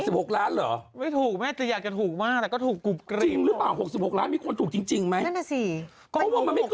วันนี้เขาแต่งตัวมาต้องให้เกียรติให้เย็นเขานะ